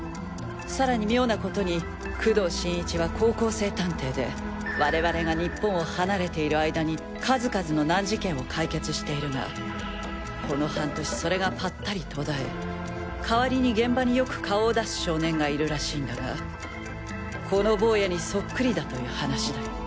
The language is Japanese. さらに妙な事に工藤新一は高校生探偵で我々が日本を離れている間に数々の難事件を解決しているがこの半年それがパッタリ途絶え代わりに現場によく顔を出す少年がいるらしいんだがこのボウヤにそっくりだという話だよ。